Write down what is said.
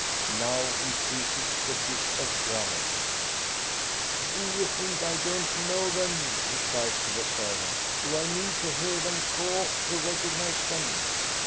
Now he seizes the dish of grouse "Do you think I don't know them?" he cries to the servant. " Do I need to hear them caw to recog nize them